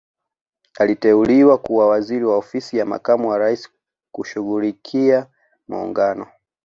Aliteuliwa kuwa waziri wa ofisi ya makamu wa Raisi kushughulikia muungano